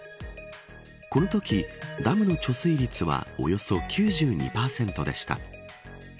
このとき、ダムの貯水率はおよそ９２％でした。